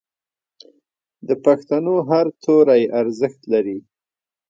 د پښتو هر توری ارزښت لري.